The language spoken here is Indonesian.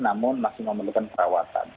namun masih memerlukan perawatan